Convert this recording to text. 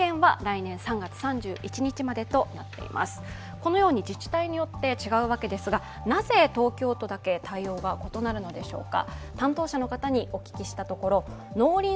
このように自治体によって違うわけですが、なぜ東京都だけが対応が異なるのでしょうか。